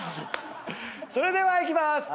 それではいきます。